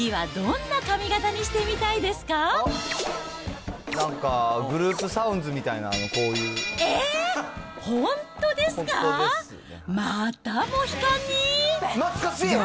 なんかグループサウンズみたいなこういう。